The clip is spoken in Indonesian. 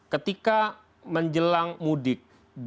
ketika menjelang mudik